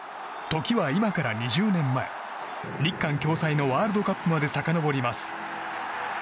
時は今から２０年前日韓共催のワールドカップまでさかのぼります。